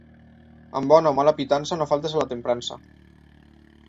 Amb bona o mala pitança no faltis a la temprança.